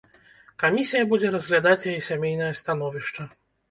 Камісія будзе разглядаць яе сямейнае становішча.